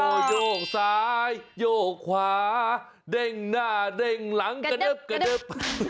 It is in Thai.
โอ้โหโยกซ้ายโยกขวาเด้งหน้าเด้งหลังกระเดิบกระเดิบ